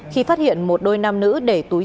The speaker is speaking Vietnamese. khi phát hiện một đôi nam nữ để tùy